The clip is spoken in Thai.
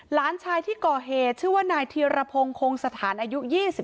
หลานชายที่ก่อเหตุชื่อว่านายธีรพงศ์คงสถานอายุ๒๓